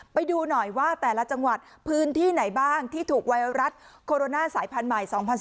ไปดูหน่อยว่าแต่ละจังหวัดพื้นที่ไหนบ้างที่ถูกไวรัสโคโรนาสายพันธุ์ใหม่๒๐๑๙